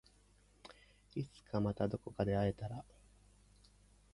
いつかまたどこかで会えたら